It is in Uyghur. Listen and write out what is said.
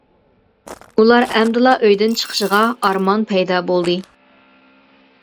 ئۇلار ئەمدىلا ئۆيدىن چېقىشىغا ئارمان پەيدا بولدى.